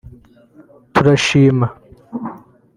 ‘Turashima’